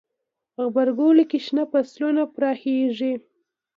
غبرګولی کې شنه فصلونه پراخیږي.